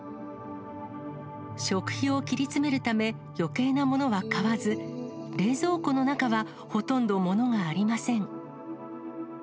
食費を切り詰めるため、よけいなものは買わず、冷蔵庫の中は、ほとんど物がありません。